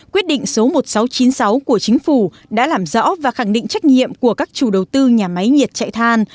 quyết định số một nghìn sáu trăm chín mươi sáu của chính phủ đã làm rõ và khẳng định trách nhiệm của các chủ đầu tư nhà máy nhiệt chạy than